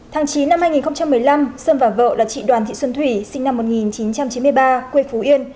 tháng chín năm hai nghìn một mươi năm sơn và vợ là chị đoàn thị xuân thủy sinh năm một nghìn chín trăm chín mươi ba quê phú yên